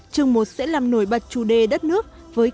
chương một sẽ làm nổi bật chủ đề đất nước